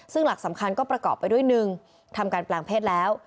ซึ่งหลักสำคัญก็ประกอบไปด้วย๑ทำการแปลงเพศแล้ว